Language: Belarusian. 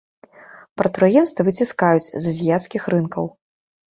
Прадпрыемства выціскаюць з азіяцкіх рынкаў.